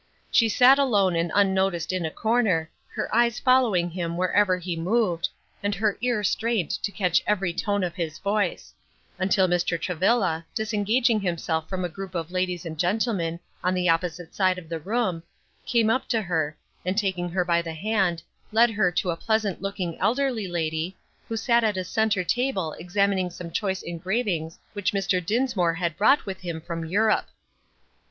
She sat alone and unnoticed in a corner, her eyes following him wherever he moved, and her ear strained to catch every tone of his voice; until Mr. Travilla, disengaging himself from a group of ladies and gentlemen on the opposite side of the room, came up to her, and taking her by the hand, led her to a pleasant looking elderly lady, who sat at a centre table examining some choice engravings which Mr. Dinsmore had brought with him from Europe.